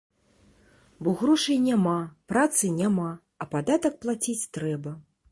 Бо грошай няма, працы няма, а падатак плаціць трэба.